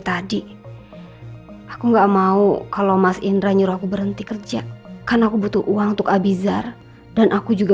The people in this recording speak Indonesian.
tadi aku enggak mau kalau mas indra nyuruh aku berhenti kerja karena aku butuh uang untuk abizar dan aku juga